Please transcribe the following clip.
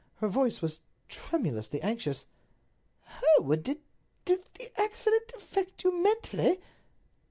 Her voice was tremulously anxious. "Hereward, did—did the accident affect you mentally?"